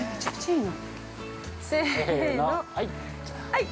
はい！